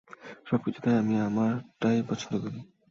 সব কিছুতে আমি আমার টাই পছন্দ করি।